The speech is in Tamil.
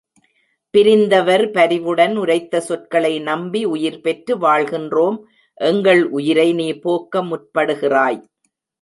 பிரிந்தவர் பரிவுடன் உரைத்த சொற்களை நம்பி உயிர் பெற்று வாழ்கின்றோம் எங்கள் உயிரை நீ போக்க முற்படுகிறாய்.